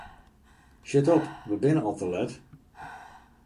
Sjit op, wy binne al te let!